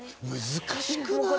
難しくない？